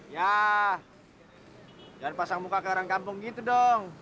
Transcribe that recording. ya jangan pasang muka ke orang kampung gitu dong